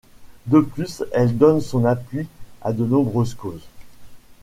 De plus, elle donne son appui à de nombreuses causes.